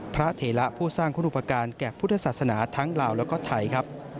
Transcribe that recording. พระเถระผู้สร้างคุณุปการแก่พุทธศาสนาทั้งลาวและไทย